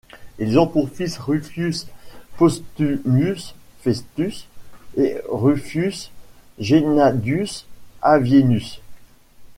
Ils ont pour fils Rufius Postumius Festus et Rufius Gennadius Avienus.